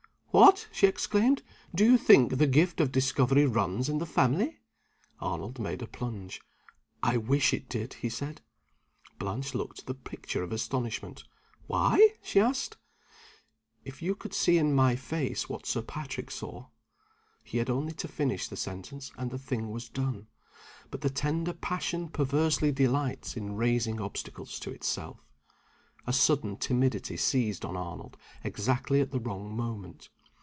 "What!" she exclaimed, "do you think the gift of discovery runs in the family?" Arnold made a plunge. "I wish it did!" he said. Blanche looked the picture of astonishment. "Why?" she asked. "If you could see in my face what Sir Patrick saw " He had only to finish the sentence, and the thing was done. But the tender passion perversely delights in raising obstacles to itself. A sudden timidity seized on Arnold exactly at the wrong moment.